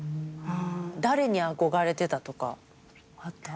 誰に憧れてたとかあった？